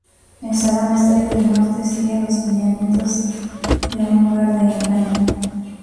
El salón "Estrella del Norte" sigue los lineamientos de un lugar de encuentro.